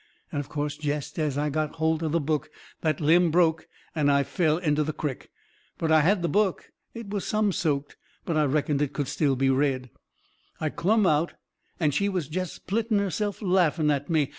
And, of course, jest as I got holt of the book, that limb broke and I fell into the crick. But I had the book. It was some soaked, but I reckoned it could still be read. I clumb out and she was jest splitting herself laughing at me.